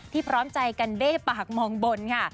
พร้อมใจกันเบ้ปากมองบนค่ะ